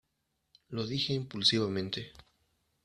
lo dije impulsivamente